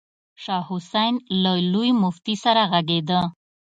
شاه حسين له لوی مفتي سره غږېده.